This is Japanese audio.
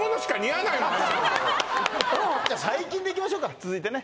最近でいきましょうか続いてね